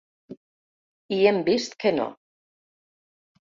I hem vist que no.